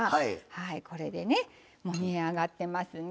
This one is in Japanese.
これでねもう煮上がってますね。